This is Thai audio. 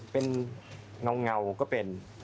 เป็นเงาก็เป็น